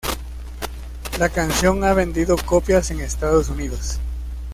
La canción ha vendido copias en Estados Unidos.